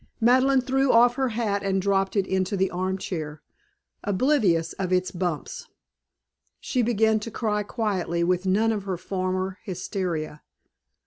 Madeleine threw off her hat and dropped into the armchair, oblivious of its bumps. She began to cry quietly with none of her former hysteria.